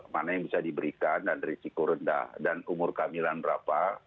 mana yang bisa diberikan dan risiko rendah dan umur kehamilan berapa